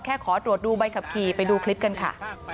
ขอตรวจดูใบขับขี่ไปดูคลิปกันค่ะ